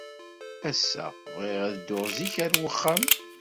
Ass-a, bɣiɣ ad dduɣ zik ɣer uxxam.